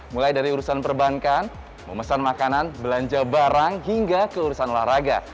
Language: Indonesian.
mulai dari urusan perbankan memesan makanan belanja barang hingga keurusan olahraga